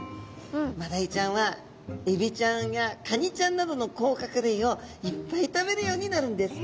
マダイちゃんはエビちゃんやカニちゃんなどの甲殻類をいっぱい食べるようになるんです。